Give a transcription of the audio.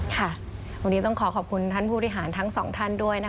ค่ะวันนี้ต้องขอขอบคุณท่านผู้บริหารทั้งสองท่านด้วยนะคะ